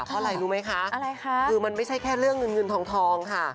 เพราะอะไรรู้ไหมคะคือมันไม่ใช่แค่เรื่องเงินทองค่ะ